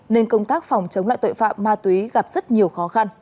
nên công tác phòng chống loại tội phạm ma túy gặp rất nhiều khóa